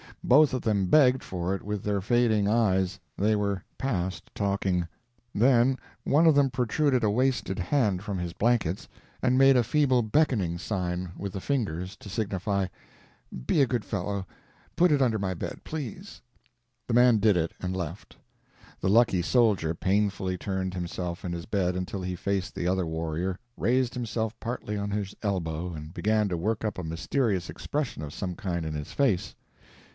Both of them begged for it with their fading eyes they were past talking. Then one of them protruded a wasted hand from his blankets and made a feeble beckoning sign with the fingers, to signify, "Be a good fellow; put it under my bed, please." The man did it, and left. The lucky soldier painfully turned himself in his bed until he faced the other warrior, raised himself partly on his elbow, and began to work up a mysterious expression of some kind in his face.